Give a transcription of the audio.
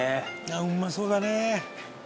「うまそうだね」